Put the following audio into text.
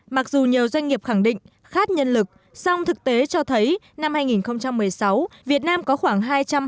mặc dù nhiều doanh nghiệp khẳng định khác nhân lực song thực tế cho thấy năm hai nghìn một mươi sáu việt nam có khoảng